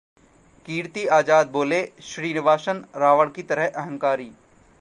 कीर्ति आजाद बोले, श्रीनिवासन रावण की तरह अहंकारी